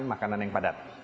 makanan yang padat